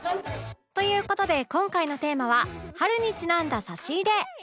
という事で今回のテーマは春にちなんだ差し入れ